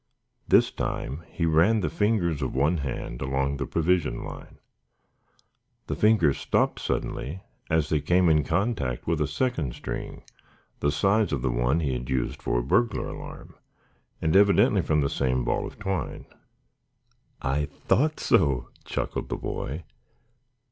This time he ran the fingers of one hand along the provision line. The fingers stopped suddenly as they came in contact with a second string the size of the one he had used for a burglar alarm and evidently from the same ball of twine. "I thought so," chuckled the boy.